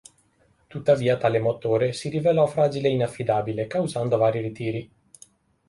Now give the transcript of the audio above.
Tuttavia tale motore si rivelò fragile e inaffidabile, causando vari ritiri.